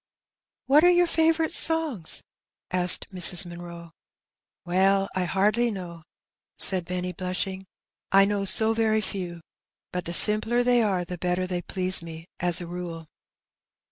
" What are your favourite songs ?^^ asked Mrs. Munroe. " Well, I hardly know,^' said Benny, blushing. " I know so very few; but the simpler they are the better they please me, as a rule.